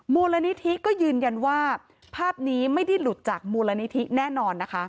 มูลนิธิก็ยืนยันว่าภาพนี้ไม่ได้หลุดจากมูลนิธิแน่นอนนะคะ